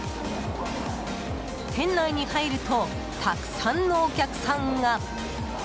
店内に入るとたくさんのお客さんが。